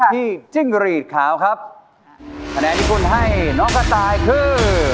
จิ้งรีดขาวครับคะแนนที่คุณให้น้องกระต่ายคือ